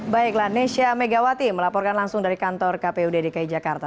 baiklah nesya megawati melaporkan langsung dari kantor kpud dki jakarta